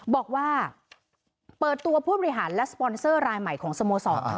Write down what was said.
บอกว่าเปิดตัวผู้บริหารและสปอนเซอร์รายใหม่ของสโมสรค่ะ